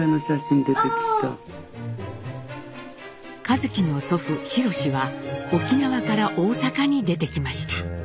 一輝の祖父廣は沖縄から大阪に出てきました。